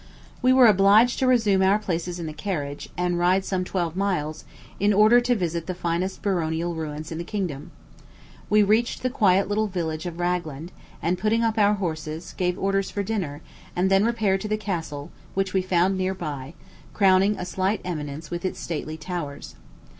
We were obliged to resume our places in the carriage, and ride some twelve miles, in order to visit the finest baronial ruins in the kingdom. We reached the quiet little village of Ragland, and, putting up our horses, gave orders for dinner, and then repaired to the castle, which we found near by, crowning a slight eminence with its stately towers.